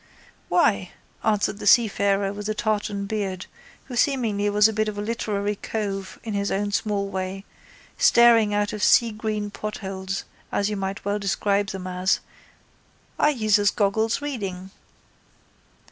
—Why, answered the seafarer with the tartan beard, who seemingly was a bit of a literary cove in his own small way, staring out of seagreen portholes as you might well describe them as, I uses goggles reading.